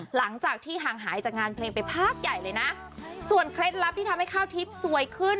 หลังจากที่ห่างหายจากงานเพลงไปพักใหญ่เลยนะส่วนเคล็ดลับที่ทำให้ข้าวทิพย์สวยขึ้น